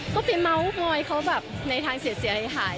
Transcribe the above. ก็ไปเมาส์มอยเขาแบบในทางเสียหาย